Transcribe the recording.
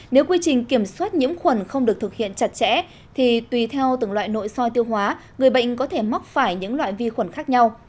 nếu quy trình kiểm soát nhiễm khuẩn không được thực hiện chặt chẽ thì tùy theo từng loại nội soi tiêu hóa người bệnh có thể mắc phải những loại vi khuẩn khác nhau